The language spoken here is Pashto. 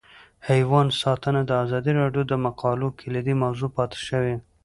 حیوان ساتنه د ازادي راډیو د مقالو کلیدي موضوع پاتې شوی.